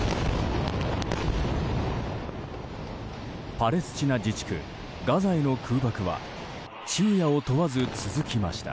パレスチナ自治区ガザへの空爆は昼夜を問わず続きました。